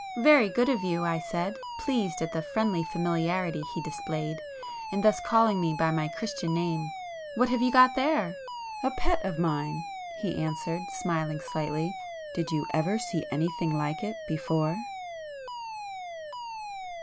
"Very good of you!" I said, pleased at the friendly familiarity he displayed in thus calling me by my Christian name—"What have you got there?" "A pet of mine,"—he answered, smiling slightly—"Did you ever see anything like it before?"